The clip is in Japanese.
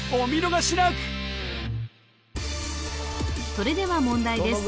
それでは問題です